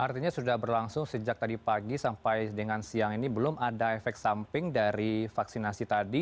artinya sudah berlangsung sejak tadi pagi sampai dengan siang ini belum ada efek samping dari vaksinasi tadi